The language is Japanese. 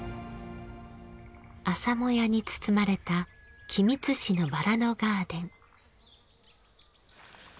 朝もやに包まれた君津市のバラのガーデン。